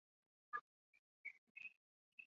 可是由于预算不足提案再度否决。